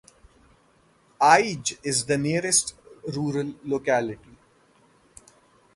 Ig is the nearest rural locality.